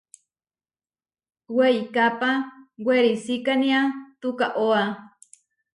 Weikápa werisikánia tukaóa.